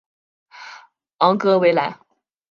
昂格维莱。